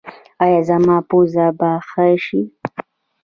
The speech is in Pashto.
ایا زما پوزه به ښه شي؟